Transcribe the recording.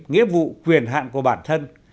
nghĩa vụ quyền hạn của bản thân